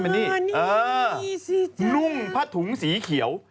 มานี่นุ่งพัดถุงสีเขียว